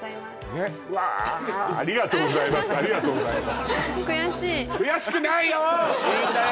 ねっうわありがとうございますありがとうございますいいんだよ